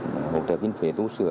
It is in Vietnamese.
một tiệm viên phế tu sửa